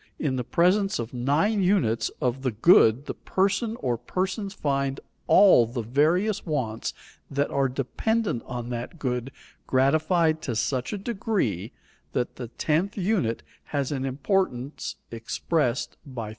In the presence of nine units of the good the person or persons find all the various wants that are dependent on that good gratified to such a degree that the tenth unit has an importance expressed by 36.